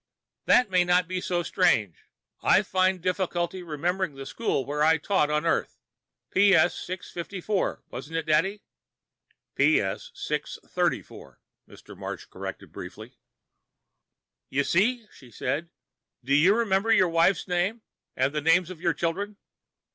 "That may not be so strange. I find difficulty remembering the school where I taught on Earth. P.S. 654, wasn't it, Dad?" "P.S. 634," Mr. Marsh corrected briefly. "You see?" she said. "Do you remember your wife's name? And the names of your children?"